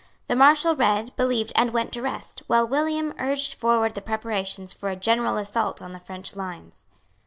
The Marshal read, believed and went to rest, while William urged forward the preparations for a general assault on the French lines.